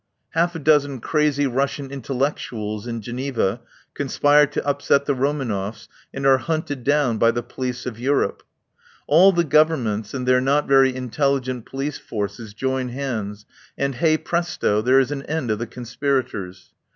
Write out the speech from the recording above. Half a dozen crazy Russian intellectuels in Geneva con spire to upset the Romanoffs and are hunted down by the police of Europe. All the Gov ernments and their not very intelligent police forces join hands, and hey, presto! there is an end of the conspirators.